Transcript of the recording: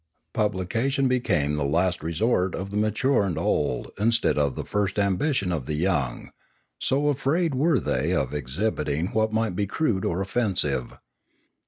Publication became the last resort of the mature and old instead of the first ambition of the young, so afraid were they of exhibiting what might be crude or offensive.